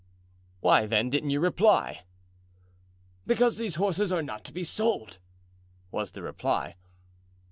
"Why, then, didn't you reply?" "Because these horses are not to be sold," was the reply.